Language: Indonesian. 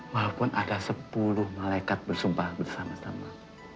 walaupun ada sepuluh malaikat bersumpah bersama sama